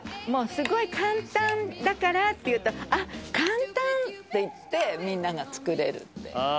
すごい簡単だからって言うとあっ簡単！っていってみんなが作れるって。